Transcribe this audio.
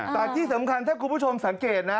แต่ที่สำคัญถ้าคุณผู้ชมสังเกตนะ